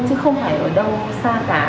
chứ không phải ở đâu xa cả